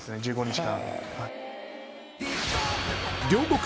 １５日間。